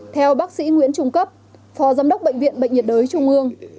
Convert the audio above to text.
theo bác sĩ nguyễn trung cấp phó giám đốc bệnh viện bệnh nhiệt đới trung ương